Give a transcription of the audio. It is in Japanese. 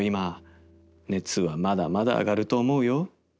熱はまだまだ上がると思うよ』